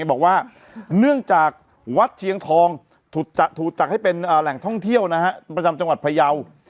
บอกว่าเนื่องจากวัดเชียงทองถูกจัดให้เป็นแหล่งท่องเที่ยวประจำจังหวัดพยาว